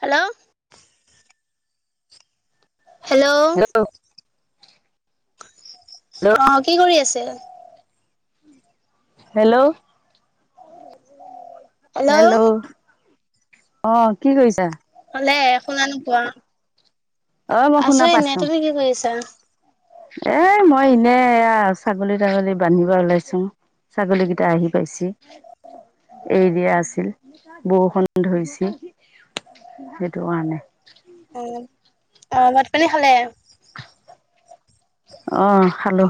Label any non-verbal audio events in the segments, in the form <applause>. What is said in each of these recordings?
Hello hello অঁ কি' কৰি আছে? হেল্ল' হেল্ল' অঁ কি কৰিছা? হেল্ল' শুনা নোপোৱা? অ মই শুনা আছো পাইছো এনেই। তুমি কি' কৰিছা? এ' মই এনেই এয়া ছাগলী- তাগলী বান্ধিব ওলাইছো। ছাগলী কেইটা আহি পাইছে এৰি দিয়া আছিল। বৰষুণ ধৰিছে সেইটো কাৰণে। <unintelligible> অঁ অঁ ভাত-পানী খালে? অঁ খালো।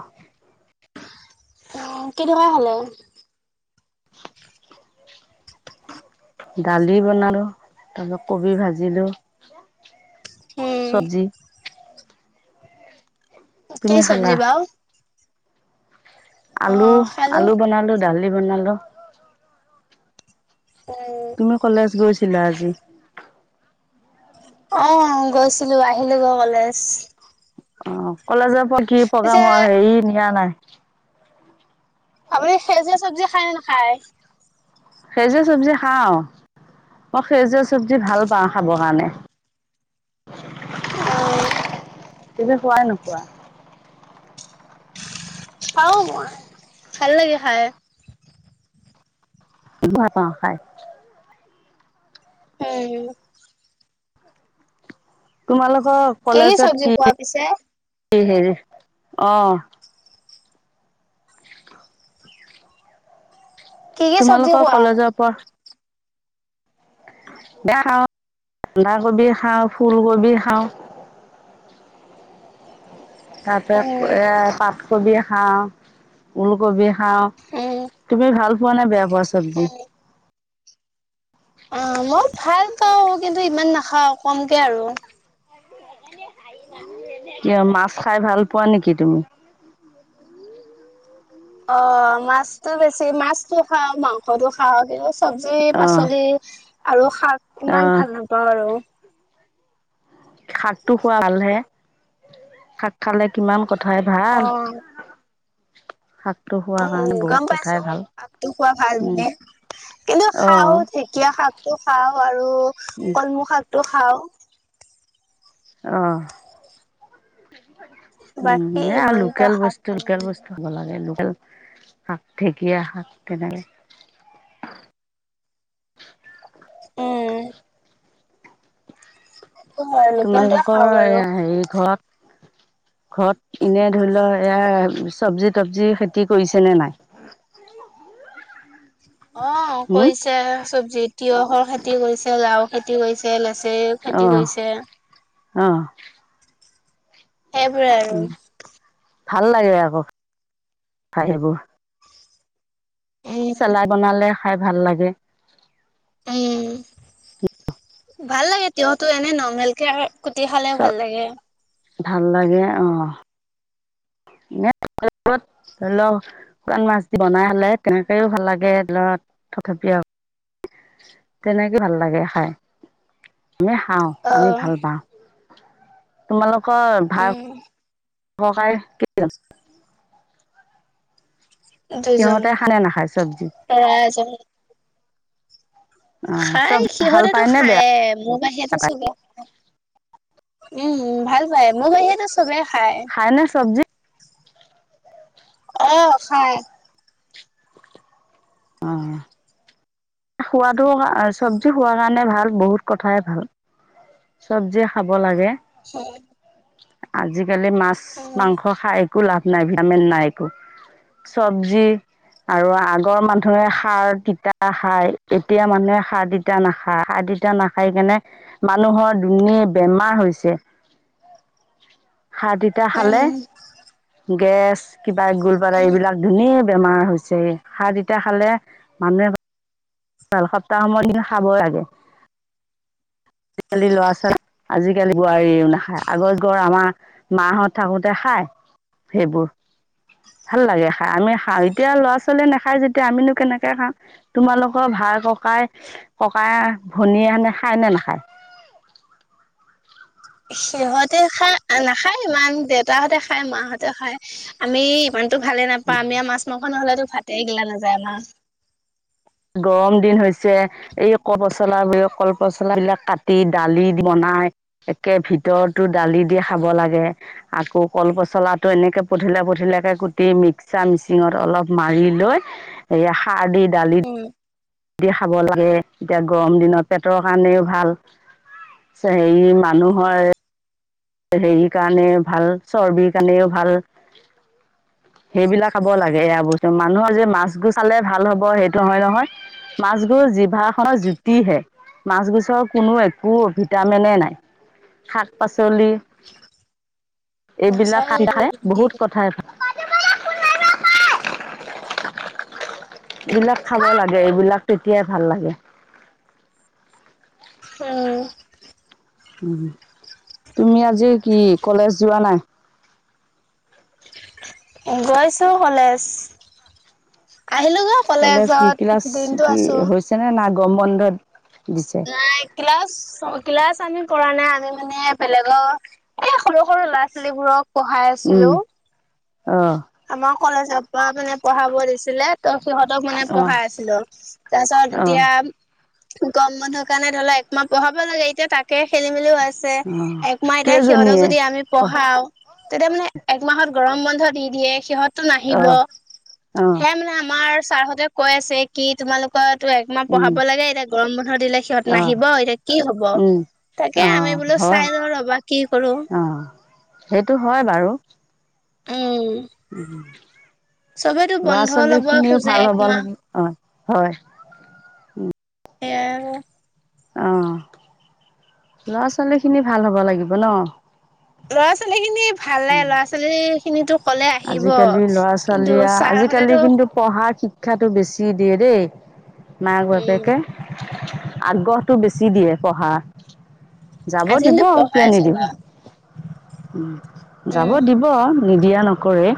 অঁ কিহৰ লগত খালে? <unintelligible> দালি বনালো তাৰপিছত কবি ভাজিলো। উম চব্জি। কি তুমি খালা চব্জি বাওঁ? আলু, খালো আলু বনালো। দালি বনালো। উম তুমি কলেজ গৈছিলা আজি? অঁ গৈছিলো আহিলো গৈ কলেজ। অঁ কলেজৰ পৰা কি পিছে প্ৰগ্ৰাম হয় হেৰি নিয়া নাই। আপুনি সেউজীয়া চব্জি খায়নে নেখাই? সেউজীয়া চব্জি খাওঁ। মই সেউজীয়া- চব্জি ভাল পাওঁ অ খাবৰ কাৰণে। তুমি উম ভাল পোৱা নে নোপোৱা? পাওঁ মই। ভাল লাগে খাই। ভাল লাগে অঁ খাই। হম। তোমালোকৰ- কি কি কলেজত চব্জি খোৱা পিছে কি- হেৰি অঁ। <inaudible> কি কি চব্জি তোমালোকৰ খোৱা কলেজৰ পৰা। দে খাওঁ বন্ধাকবি খাওঁ ফুলকবি খাওঁ তাৰপাপ উম এয়া পাতকবি খাওঁ উল কবি খাওঁ উম খাওঁ তুমি ভাল পোৱা নে বয়াপোৱা অ চবঝি অ মই ভাল পাওঁ কিন্তু ইমান না খাও কমকে আৰু কিয় মাছ খাই ভাল পোৱা নেকি তুমি অ মাছতো বেছি মাছতো খাও মাংসটো খাও চবজি অ পাচলি আৰু শাক অ কিমান ভাল নাপাওঁ আৰু শাক টো খোৱা ভাল হে শাক খালে কিমান কথাই অ ভাল। শাক উম গম পাইছো শাকটো খোৱা ভাল উম বুলি কিন্তু অ খাও ঢেকীয়া শাকটো খাও আৰু উম কলমৌ শাক টো খাওঁ অহ বাকী উম এ ইমানটা লোকেল শাক বস্তু ভাল লোকেল নালাগে বস্তু হব লাগে। শাক ঢেকীয়া শাক তেনেকে উম সেইটো হয় লোকেলটোৱে তোমালোকৰ খাওঁ বাৰু এ হেৰি ঘৰত ঘৰত এনে ধৰিল এয়া চবছি তবজি খেতি কৰিছে নে নাই অ হম কৰিছে চব তিয়হৰ খেতি কৰিছে লাউৰ খেতি কৰিছে লেছ তে অ খেতি কৰিছে। অ সেইবোৰে আৰু উম ভাল লাগে আকৌ খাই হেবো। উম চেলাই বনালে। খাই ভাল লাগে। উম, ভাল লাগে তিয়টো এনে নমেলকে আৰ কুটি খালে চ ভাল লাগে। ভাল লাগে অ এ ধৰি লওক শুকান মাছ দি বনাই হলে তেনেকেও ভাল লাগে। থপথপিয়া তেনেকে ভাল লাগে খাই। আমি খাওঁ অ আমি ভাল পাওঁ। তোমালোক হয় ভাল উম কায় কি <unintelligible> ম দুজন সিহঁতে খায় নে নাখায় চব্জি প্ৰায় এজন অ খাই চব্জি ভাল সিহঁতেতো পায় নে বেয়া খায়ে মোৰ বাহিৰেতো চবে উম ভাল‌, পাই মোৰ বাহিৰেটো চবে খায় নে চব্জি? অ খাই। অ খোৱটো চব্জি খোৱাৰ কাৰণে ভাল বহুত কথাই ভাল চব্জি খাব লাগে। হয়। আজি আজিকালি মাছ মাংস খাই একো লাভ নাই ভিটামিন নাই একো চব্জি আৰু আগৰ মানুহে সাৰ তিতা সাৰ এতিয়া মানুহে সাৰ, তিতা নাখায় -সাৰ, তিতা নাখাই কেনে মানুহৰ দুনীয়া বেমাৰ হৈছে। সাৰ তিতা খালে- উম গেছ কিবা এক গল পাৰা এইবিলাক ধুনীয়া বেমাৰ হৈছে সাৰ তিতা খালে মানুহে ভাল সপ্তাহৰ মুৰত কিন্তু খাবই লাগে আজিকালি লৰা ছোৱালী আজিকালি বোৱাৰীও নাখায় আগৰ যুগৰ আমাৰ মাহত থাকোতে খাই সেইবোৰ ভাল লাগে খাই আমি আৰু এতিয়া ল'ৰা ছোৱালীয়ে নাখায় যেতিয়া এতিয়া আমিনো কেনেকে খাম তোমালোক ভাই ককাই ককাই ভনীয়ে এনে খায় নে নাখায়? সিহঁতে খাই নাখায় ইমান দেউতাহঁতে খায় মাহঁতে খায় আমি মানতো ভালে নাপাও আমি আও মাছ-মাংস নহলেতো ভাতে গিলা নাযায় আমা গৰম দিন হৈছে এই কলপচলা কলপচলাবিলাক কাটি দালি বনাই একে ভিতৰতো দালি দি খাব লাগে আকৌ কলপচলাটো এনেকে পঠিলা পঠিলাকে কুটি মিক্সাৰ মিচিঙত অলপ মাৰি লৈ সেয়া সাৰ দি দালি উম দি খাব লাগে এতিয়া গৰম দিনত পেটৰ কাৰণেও ভাল হেৰি মানুহৰ, হেৰি কাৰণে ভাল চৰ্বিৰ কাৰণেও ভাল সেইবিলাক খাব লাগে। এৰা বস্তু অ', মানুহৰ যে মাছ গুছ খালে ভাল হ'ব সেইটো নহয় নহয় মাছ গুছ জিভা খনৰ জুতিহে মাছ গুছৰ কোনো একো ভিটামিনে নাই শাক পাচল চলি এইবিলাকে নাচায় বহুত দিয়ে কথাই এইবিলাক খাব লাগে এইবিলাক তেতিয়াই ভাল লাগে। উম তুমি আজি কি কলেজ যোৱা নাই? গৈছো কলেজ। আহিলো গৈ কলেজ কি কলেজত ক্লাছ দিনটো কি আছো হৈছেনে না গম বন্ধত নাই ক্লাছ ক্লাছ মানে কৰা নাই আমি মানে বেলেগৰ এই সৰু সৰু ল'ৰা ছোৱালীবোৰক পঢ়াই আছিলো। অ আমাৰ কলেজৰ পৰা মানে পঢ়াব দিছিলে। তো সিহঁতক মানে অঁ পঢ়াই আছিলো। তাৰপিছত অঁ এতিয়া গৰম বন্ধৰ কাৰণে ধৰি লও একমাহ পঢ়াব লাগে এতিয়া তাকে খেলি মেলিও ছে অঁ একমাহ সিহঁতক কেইজনীয়ে যদি আমি অঁ পঢ়াওঁ তেতিয়া মানে একমাহত গৰম ব ধৰি দিয়ে সিহঁত নাহিব অঁ সেয়া মানে আমাৰ ছাৰহঁতে কৈ আছে কি তোমালোকৰ তো একমাহ অঁ পঢ়াব লাগে এতিয়া গৰম বন্ধ বন্ধৰ দিলে সিহঁত অঁ নাহিব এতিয়া কি হব উম তাকে আমি অঁ বোলো হয় চাই লওঁ ৰবা কি কৰো। অঁ সেইটো হয় বাৰু। উম উম চবেতো লৰা বন্ধ ছোৱালী লব খিনিও খোজে ভাল হ'ব একমাহ লাগে। হয় হয় সেইয়াই আৰু আহ লৰা ছোৱালী খিনি ভাল হব লাগিব ন ল'ৰা ছোৱালী খিনি ভাল লাগে ল'ৰা ছোৱালী খিনিতো কলে আহিব। আজিকালি ল'ৰা কিন্তু ছোৱালীয়ে আজিকালি ছাৰহঁতেতো কিন্তু পঢ়া শিক্ষাটো বেছি দিয়ে দেই মাক উম বাপেকে আগ্ৰহটো বেছি দিয়ে পঢ়া যাব দিব আজিকালিতো কিয় পঢ়াই নিদিব যোগা উম যাব উম দিব নিদিয়া নকৰে।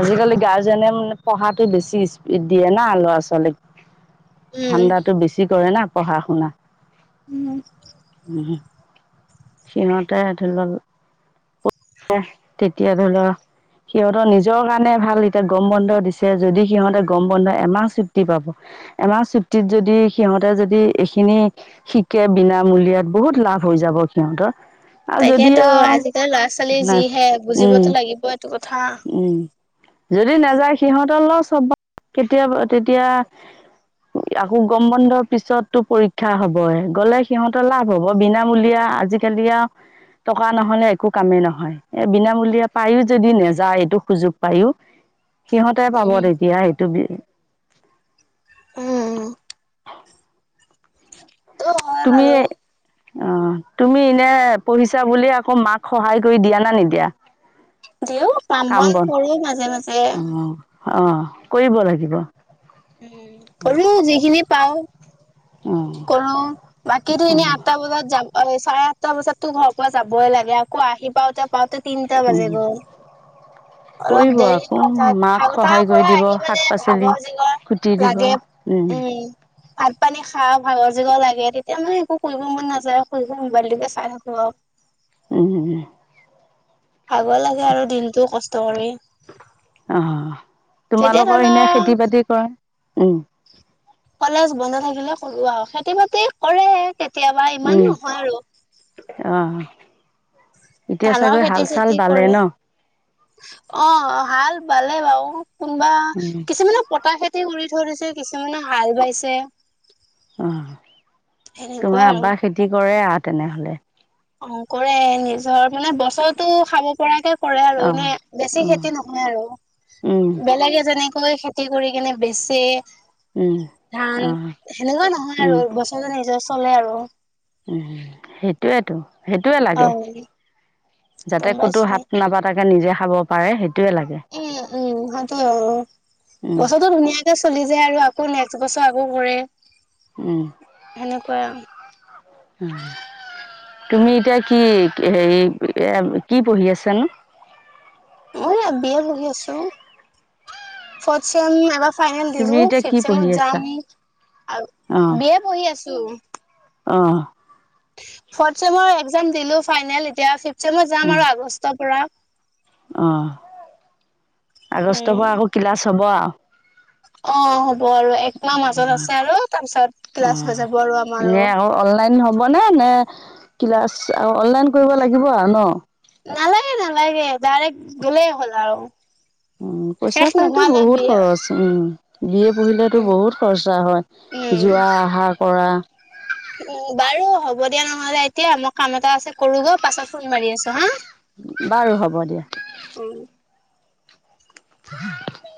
আজিকালি গাৰ্জেনে মানে পঢ়াটো বেছি স্পীড দিয়ে না ল'ৰা ছোৱালীক উম ঠাণ্ডাতো বেছি কৰে না পঢ়া শুনা, উহু, উহু, সিহতে ধৰি লোৱা, তেতিয়া ধ লও, সিহঁতৰ নিজৰ কাৰণে ভাল, এতিয়া গম বন্ধ দিছে যদি সিহঁতে গম বন্ধ এমাহ চুটি পাব, এমাহ চুটিত যদি সিহঁতে যদি এইখিনি শিকে বিনামূলিয়াত বহুত লাভ হৈ যাব সিহঁতৰ। আৰু তাকেতো যদিয়া, আজিকালি ল'ৰা ছোৱালী যি হে, বুজিবতো লাগিব এইটো কথা। উম যদি নাযায় সিহঁতৰ লছ হব, কেতিয়াবা, তেতিয়া আকৌ গম বন্ধৰ পিছতো পৰীক্ষা হবই গলে সিহঁতৰ লাভ হব, বিনামূলীয়া আজিকালি আৰু চব কোৱানহলে একো কামেই নহয়, এ বিনামূলীয়া পায়ো যদি নেযায়, এইটো সুযোগ পায়ো, সিহঁতে পাব উম তেতিয়া সেইটো, উম সেইটো হয় তুমি বাৰু অ তুমি এনে পঢ়িছা বুলি আকৌ মাক সহায় কৰি দিয়া না নিদিয়া? দিও কাম বন কৰো মাজে মাজে। অঁ অঁ কৰিব লাগিব, উম কৰো যিখিনি পাও। অঁ কৰো, বাকী টো এনেই অঁ আঠটা বজাত যাব চাৰে, দুটা বজাততো ঘৰৰ পৰা যাবই লাগে আকৌ আহি পাওঁতে পা, তিনটা বাজি গ'ল, অলপ কৰিব দেৰি আকৌ হ তাত মাক সটাৰ সহায় কৰি পৰা দিব আহি শাক মানে পাচলি ভাগৰ জিগৰ কুটি দিব লাগে, উম। ভাত পানী, খাহ ভাগৰ জুগৰ লাগে তেতিয়া মানে একো কৰিব মন নাযায় হুই হুই মোবাইলটোকে চাই থাকো আও। উম ভাগৰ লাগে আৰু দিনতটো কষ্ট। তৰি আহ তোমালোকৰ এনে লও খেতি বাতি কৰা, উম। কলেজ বন্ধ থাকিলে কৰোআও, খেতি বাতি কৰে। কেতিয়াবা ইমান উম, নহয় আৰু অ', এতিয়া ধানৰ চাগৈ হাল খেতি চাল চেতি বালে কৰে, ন? অ হাল বালে বাও কোনোবা, উম, কিছুমানে পতাশেত, উৰি ধৰিছে, কিছুমানে হাল বাইছে। অ, সেনেকুৱা তোমাৰ আৰু আবা খেতি কৰে আ তেনেহ'লে? অংকৰে নিজত মানে বছৰতো খাব পৰাকে কৰে আৰু, এনে অ'। বেছি উম, খেতি নহয় উম, আৰু বেলেগ এজনীক। কৈ খেতি কৰি কেনে বেছে। উম, ধান অ', সেনেকুৱা নহয় উম, আৰু বছৰমান নিজৰ চলে আৰু উম সেইটোয়েতো সেইটোয়ে অ লাগে যাতে গম ক'তো পাইছো হাত নাবা তাকে নিজে খাব পাৰে সেইটো উম উম সেইটোয়ে আৰু উম, বছৰটো ধুনীয়াকে চলি যে আৰু আকৌ নেক্সট বছৰ আকৌ কৰে। উম, সেনেকুৱা তুমি এতিয়া কি হেৰি কি পঢ়ি আছানো? মই বি এ পঢ়ি আছো ফৰট ছেম এবাৰ। ফাইনেল তুমি দিলো এতিয়া কি ফিফ পঢ়ি ছেমত আছা? যাম আৰু বি এ পঢ়ি আছো। অঁ ফৰট চেমৰ একজাম দিলোঁ ফাইনেল এতিয়া নিশ্চয় মই যাম আৰু আগষ্টৰ পৰা। আহ আগষ্টৰ উম পৰা আকৌ কিলাচ হব অ হ'ব আৰু একমাহ মাজত আছে আৰু তাৰপিছত অ ক্লাছ হৈ যাব আৰু আমাৰো। এনে আকৌ অনলাইন হবনে নে ক্লাছ আৰু অনলাইন কৰিব লাগিব আৰু ন। নালাগে নালাগে ডাইৰেক্ট গ'লেই হ'ল আৰু। উম পইচা শেষ পাইতো নোহোৱালৈ বহুত বিয়া খৰচ উম। বি এ পঢ়িলেতো উম বহুত খৰচা হয় উম। যোৱা আহা কৰা উম, বাৰু হ'ব দিয়া নহ'লে এতিয়া মই কাম এটা আছে কৰো পাছত ফোন মাৰি আছো হা। বাৰু হ'ব দিয়া। উম, <unintelligible>